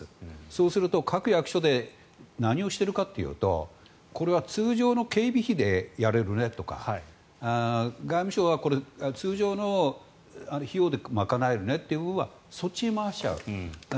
そうすると各役所で何をしているかというとこれは通常の警備費でやれるねとか外務省は通常の費用で賄えるねっていう部分はそっちに回しちゃう。